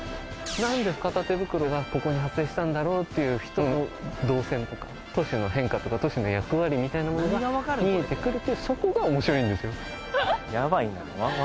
何で片手袋がここに発生したんだろうっていう人の動線とか都市の変化とか都市の役割みたいなものが見えてくるっていうそこが面白いんですよ